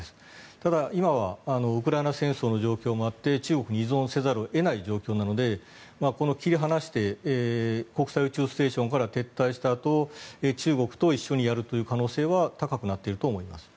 ただ、今はウクライナ戦争の状況もあって中国に依存せざるを得ない状況なので切り離して国際宇宙ステーションから撤退したあと中国と一緒にやるという可能性は高くなっていると思います。